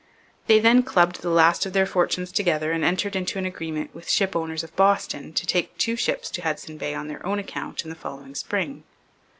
They then clubbed the last of their fortunes together and entered into an agreement with shipowners of Boston to take two ships to Hudson Bay on their own account in the following spring.